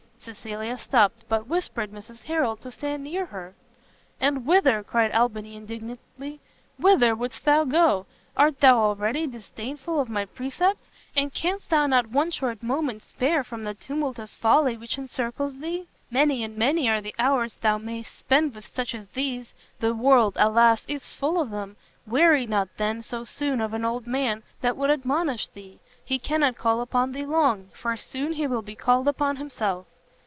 Cecilia stopt, but whispered Mrs Harrel to stand near her. "And whither," cried Albany indignantly, "whither wouldst thou go? Art thou already disdainful of my precepts? and canst thou not one short moment spare from the tumultuous folly which encircles thee? Many and many are the hours thou mayst spend with such as these; the world, alas! is full of them; weary not then, so soon, of an old man that would admonish thee, he cannot call upon thee long, for soon he will be called upon himself!"